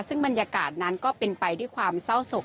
ซึ่งบรรยากาศนั้นก็เป็นไปด้วยความเศร้าศก